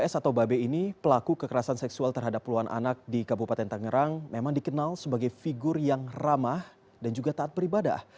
s atau babe ini pelaku kekerasan seksual terhadap puluhan anak di kabupaten tangerang memang dikenal sebagai figur yang ramah dan juga taat beribadah